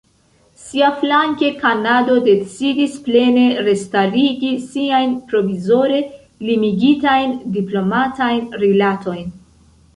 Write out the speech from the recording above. Siaflanke Kanado decidis plene restarigi siajn provizore limigitajn diplomatajn rilatojn.